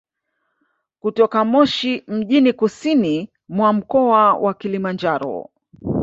Kutoka Moshi mjini kusini mwa mkoa wa Kilimanjaro